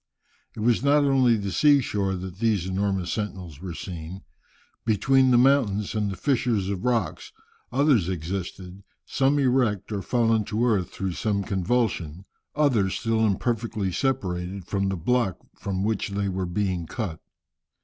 It was not only on the sea shore that these enormous sentinels were seen. Between the mountains, in the fissures of rocks, others existed, some erect or fallen to earth through some convulsion, others still imperfectly separated from the block from which they were being cut.